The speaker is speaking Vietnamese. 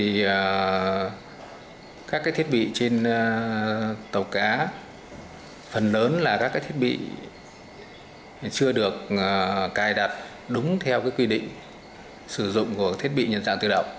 thì các cái thiết bị trên tàu cá phần lớn là các cái thiết bị chưa được cài đặt đúng theo cái quy định sử dụng của thiết bị nhận dạng tự động